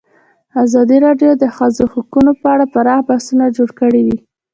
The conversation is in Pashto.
ازادي راډیو د د ښځو حقونه په اړه پراخ بحثونه جوړ کړي.